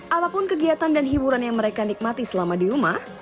apapun kegiatan dan hiburan yang mereka nikmati selama di rumah